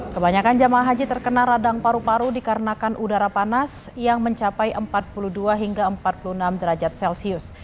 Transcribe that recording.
kebanyakan jemaah haji terkena radang paru paru dikarenakan udara panas yang mencapai empat puluh dua hingga empat puluh enam derajat celcius